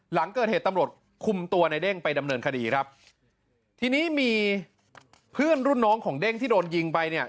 หลังเกิดเหตุตำรวจคุมตัวในเด้งไปดำเนินคดีครับทีนี้มีเพื่อนรุ่นน้องของเด้งที่โดนยิงไปเนี่ย